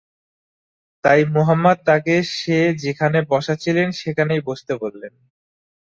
তাই মুহাম্মদ তাকে সে যেখানে বসা ছিলেন সেখানেই বসতে বললেন।